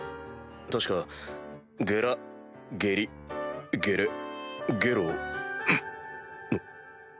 確かゲラゲリゲレゲロ？